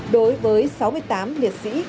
đối với sáu mươi tám liệt sĩ công an nhân dân